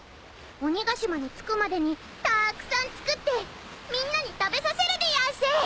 鬼ヶ島に着くまでにたくさん作ってみんなに食べさせるでやんす。